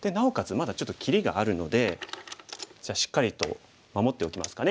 まだちょっと切りがあるのでじゃあしっかりと守っておきますかね